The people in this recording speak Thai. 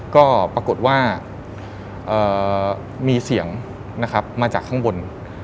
ก็ปรากฏว่ามีเสียงนะครับมาจากข้างบน